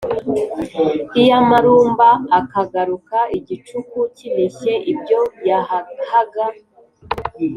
iyamarumba akagaruka igicuku kinishye. Ibyo yahahaga